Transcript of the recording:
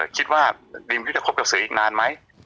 คิดว่าดิมที่จะคบกับสื่ออีกนานไหม